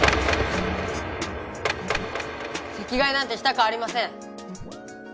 席替えなんてしたくありません！